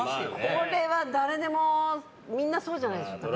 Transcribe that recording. これは誰でもみんなそうじゃないですかね。